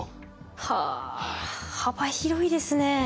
はあ幅広いですね。